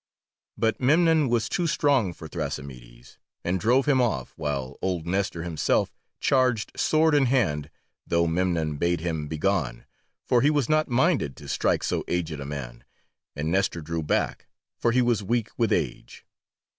But Memnon was too strong for Thrasymedes, and drove him off, while old Nestor himself charged sword in hand, though Memnon bade him begone, for he was not minded to strike so aged a man, and Nestor drew back, for he was weak with age.